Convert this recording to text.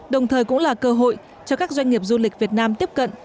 đồng thời cũng là cơ hội cho các doanh nghiệp du lịch việt nam tiếp cận